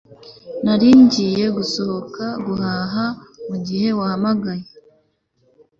Nari ngiye gusohoka guhaha mugihe wahamagaye